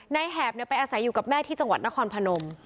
แหบไปอาศัยอยู่กับแม่ที่จังหวัดนครพนม